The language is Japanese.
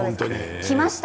きました。